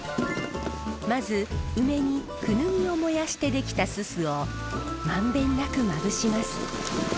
まず梅にクヌギを燃やして出来たすすを満遍なくまぶします。